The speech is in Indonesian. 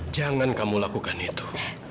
jangan kamu lakukan itu